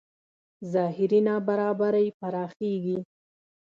ظاهري نابرابرۍ پراخېږي.